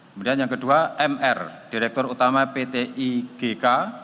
kemudian yang kedua mr direktur utama pt igk